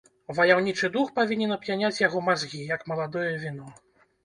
Ваяўнічы дух павінен ап'яняць яго мазгі, як маладое віно.